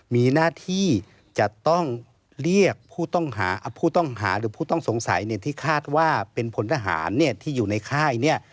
มีหน้าที่จะต้องเรียกผู้ต้องหาผู้ต้องหาหรือผู้ต้องสงสัยเนี่ยที่คาดว่าเป็นพลทหารเนี่ยที่อยู่ในค่ายเนี่ย